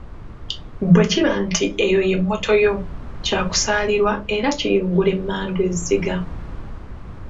Bwe kiba nti eyo ye “mmoto” yo, kyakusaalirwa era kiyungula emmandwa ezziga!